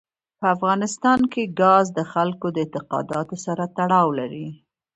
په افغانستان کې ګاز د خلکو د اعتقاداتو سره تړاو لري.